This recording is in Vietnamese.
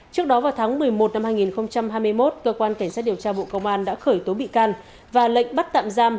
trước đó vào tháng một mươi một năm hai nghìn hai mươi một cơ quan cảnh sát điều tra bộ công an đã khởi tố bị can và lệnh bắt tạm giam